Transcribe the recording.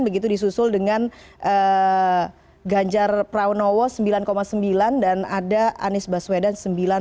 begitu disusul dengan ganjar pranowo sembilan sembilan dan ada anies baswedan sembilan